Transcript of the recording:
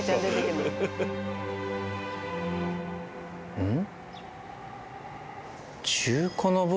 うん？